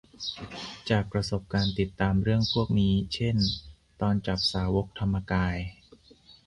จากประสบการณ์ติดตามเรื่องพวกนี้ เช่น ตอนจับสาวกธรรมกาย